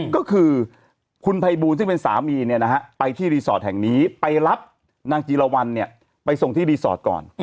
ก็คือคุณภัยบูลซึ่งเป็นสามีไปที่รีสอร์ทแห่งนี้ไปรับนางจีรวรรณไปส่งที่รีสอร์ทก่อน